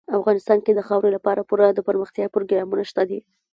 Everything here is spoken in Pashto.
افغانستان کې د خاورې لپاره پوره دپرمختیا پروګرامونه شته دي.